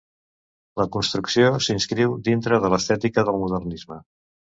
La construcció s'inscriu dintre de l'estètica del modernisme.